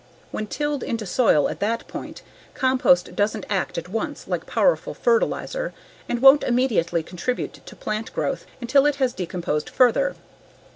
When tilled into soil at that point, compost doesn't act at once like powerful fertilizer and won't immediately contribute to plant growth until it has decomposed further.